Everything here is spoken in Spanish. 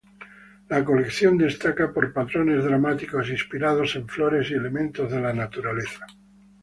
La colección destaca por patrones dramáticos inspirados en flores y elementos de la naturaleza.